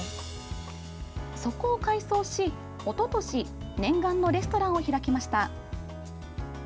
そこを改装し、おととし念願のレストランを開きました。